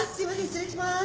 失礼します。